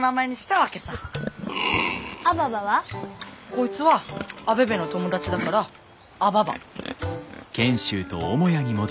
こいつはアベベの友達だからアババ。